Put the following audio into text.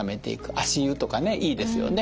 足湯とかいいですよね。